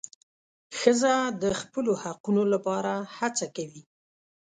ښځه د خپلو حقونو لپاره هڅه کوي.